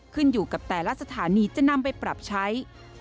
ขึ้นอยู่กับแต่ละสถานีจะนำไปปรับใช้